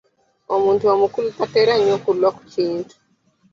Omuntu omukulu tatera nnyo kulwa ku kintu.